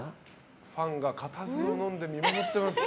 ファンが固唾をのんで見守っています。